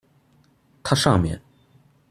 它上面